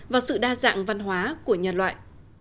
và sự đa dạng văn hóa của nhân loại